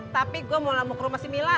tapi gue mau nambah ke rumah si mila